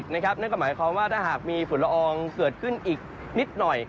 นั่นก็หมายความว่าถ้าหากมีฝุ่นละอองเกิดขึ้นอีกนิดหน่อย